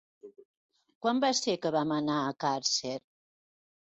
Quan va ser que vam anar a Càrcer?